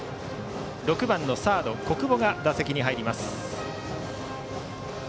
６番のサード、小久保が打席に入ります。